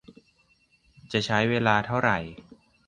จะใช้เวลาเท่าไร